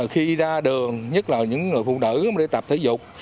khi ra đường nhất là những người phụ nữ để tập thể dục